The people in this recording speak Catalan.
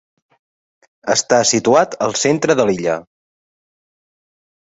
Està situat al centre de l'illa.